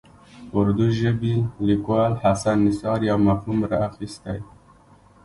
اردو ژبي لیکوال حسن نثار یو مفهوم راخیستی.